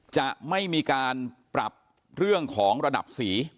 จะไม่มีการปรับเรื่องของระดับสี